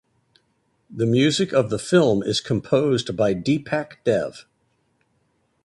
The music of the film is composed by Deepak Dev.